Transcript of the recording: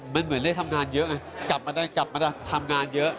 มันเหมือนได้ทำงานเยอะไงกลับมาทำงานเยอะ